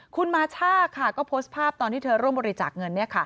คุณมาช่าก็โพสต์ภาพตอนที่เธอร่วมบริจาคเงิน